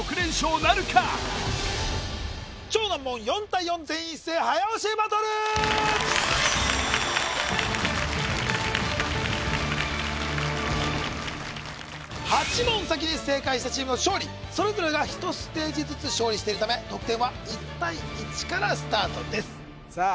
４対４全員一斉早押しバトル８問先に正解したチームの勝利それぞれが１ステージずつ勝利していくため得点は１対１からスタートですさあ